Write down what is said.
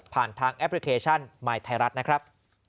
ทางแอปพลิเคชันมายไทยรัฐนะครับ